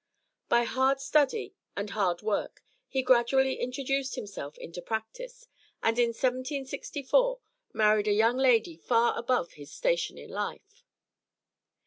By hard study and hard work he gradually introduced himself into practice, and in 1764 married a young lady far above his station in life.